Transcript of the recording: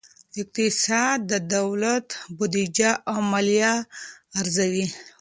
اقتصاد د دولت بودیجه او مالیه ارزوي.